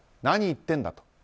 何言ってんだと。